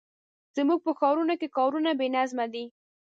زموږ په ښارونو کې کارونه بې نظمه دي.